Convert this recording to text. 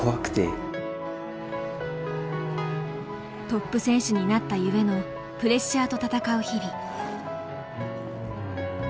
トップ選手になったゆえのプレッシャーと闘う日々。